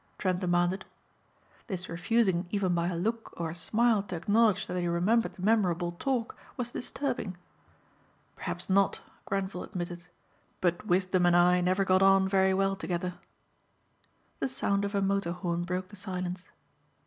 Trent demanded. This refusing even by a look or a smile to acknowledge that he remembered the memorable talk was disturbing. "Perhaps not," Grenvil admitted, "but wisdom and I never got on very well together." The sound of a motor horn broke the silence.